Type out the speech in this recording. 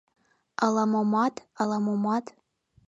Ала-момат, ала-момат.